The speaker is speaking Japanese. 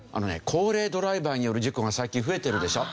高齢ドライバーによる事故が最近増えてるでしょ。